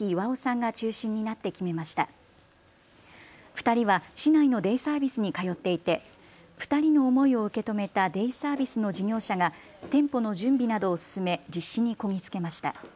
２人は市内のデイサービスに通っていて２人の思いを受け止めたデイサービスの事業者が店舗の準備などを進め実施にこぎ着けました。